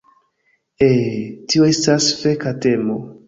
Eh, tio estas feka temo.